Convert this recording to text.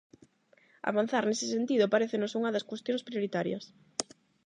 Avanzar nese sentido parécenos unha das cuestións prioritarias.